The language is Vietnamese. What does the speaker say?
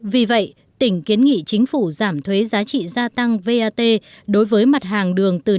vì vậy tỉnh kiến nghị chính phủ giảm thuế giá trị gia tăng vat đối với mặt hàng đường từ